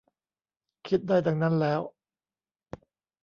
คิดได้ดังนั้นแล้ว